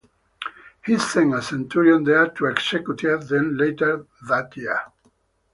He sent a centurion there to execute them later that year.